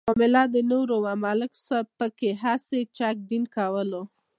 معامله د نور وه ملک صاحب پکې هسې چک ډینک کولو.